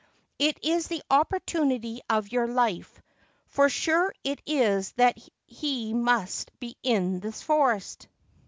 It is the opportunity of your life, for sure it is that he must be in this forest.